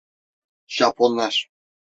Japonlar…